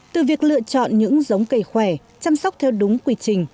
từ việc lựa chọn những giống cây khỏe chăm sóc theo đúng quy trình